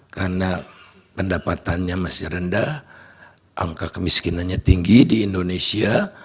karena pendapatannya masih rendah angka kemiskinannya tinggi di indonesia